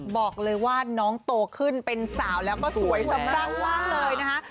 บอกเลยว่าน้องโตขึ้นเป็นสาวแล้วก็สวยสำร่างว่างเลยนะคะ